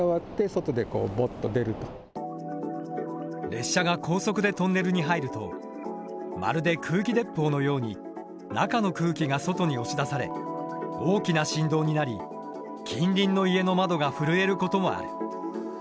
列車が高速でトンネルに入るとまるで空気鉄砲のように中の空気が外に押し出され大きな振動になり近隣の家の窓が震えることもある。